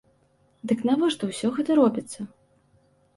Дык навошта ўсё гэта робіцца?